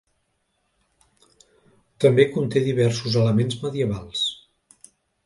També conté diversos elements medievals.